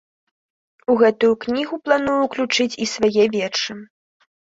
У гэтую кнігу планую ўключыць і свае вершы.